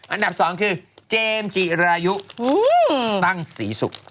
อันดับสองคือเจมส์จีรายุตั้งสีสุก